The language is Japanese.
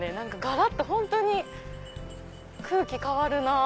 がらっと本当に空気変わるなぁ。